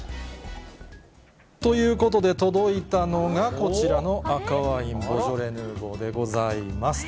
ということで、届いたのがこちらの赤ワイン、ボジョレ・ヌーボーでございます。